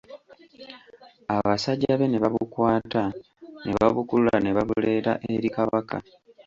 Abasajja be ne babukwata ne babukulula ne babuleeta eri Kabaka.